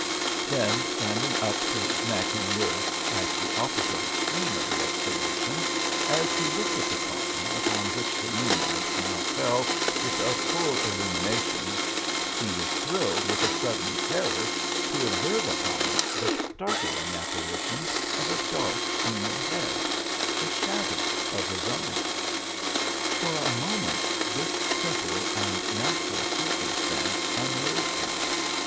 Then, standing up to his neck in the earth at the opposite extreme of the excavation, as he looked at the coffin upon which the moonlight now fell with a full illumination he was thrilled with a sudden terror to observe upon it the startling apparition of a dark human head the shadow of his own. For a moment this simple and natural circumstance unnerved him.